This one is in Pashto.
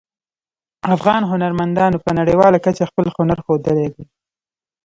افغان هنرمندانو په نړیواله کچه خپل هنر ښودلی ده